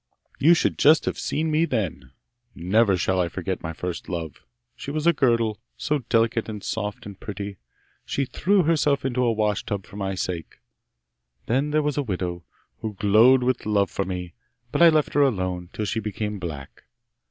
You should just have seen me then! Never shall I forget my first love! She was a girdle, so delicate and soft and pretty! She threw herself into a wash tub for my sake! Then there was a widow, who glowed with love for me. But I left her alone, till she became black.